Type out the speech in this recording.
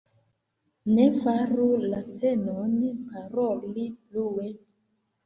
Ne faru la penon, paroli plue.